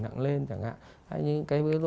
nặng lên chẳng hạn hay như cái